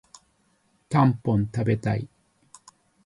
たんぽん食べたい